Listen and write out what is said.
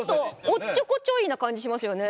おっちょこちょいな感じしますよね。